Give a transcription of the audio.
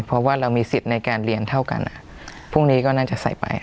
เพราะว่าเรามีสิทธิ์ในการเรียนเท่ากันพรุ่งนี้ก็น่าจะใส่ไป